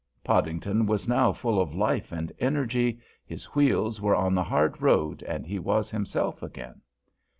Podington was now full of life and energy, his wheels were on the hard road, and he was himself again.